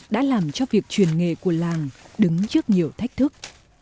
đã làm cho việc truyền nghề của làng đứng trước nhiều thách thức